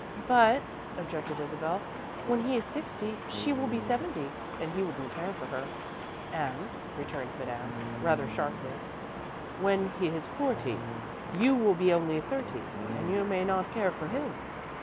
"But," objected Isabel, "when he is sixty, she will be seventy, and he wouldn't care for her." "And," returned Madame, rather sharply, "when he is forty, you will be only thirty and you may not care for him.